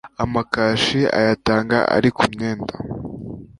amakashi ayatanga ari ku myenda